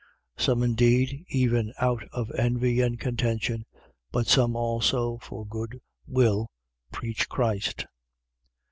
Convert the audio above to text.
1:15. Some indeed, even out of envy and contention: but some also for good will preach Christ.